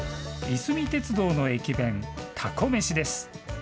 いすみ鉄道の駅弁、たこめしです。